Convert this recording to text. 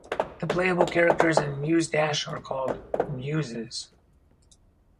The playable characters in Muse Dash are called "Muses".